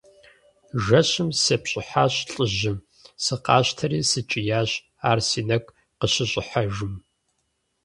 Жэщым сепщӀыхьащ лӀыжьым, сыкъащтэри сыкӀиящ, ар си нэгу къыщыщӀыхьэжым.